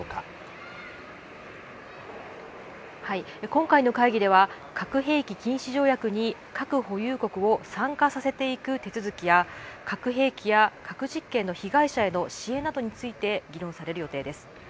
今回の会議では核兵器禁止条約に核保有国を参加させていく手続きや核兵器や核実験の被害者への支援などについて議論される予定です。